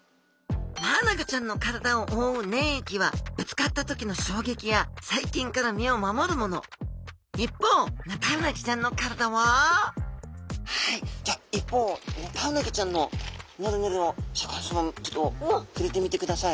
マアナゴちゃんの体をおおう粘液はぶつかった時の衝撃や細菌から身を守るもの一方ヌタウナギちゃんの体ははいじゃあ一方ヌタウナギちゃんのヌルヌルをシャーク香音さま